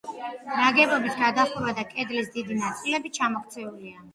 ნაგებობის გადახურვა და კედლის დიდი ნაწილები ჩამოქცეულია.